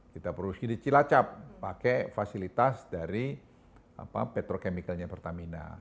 kita produksi di cilacap pakai fasilitas dari petrochemicalnya pertamina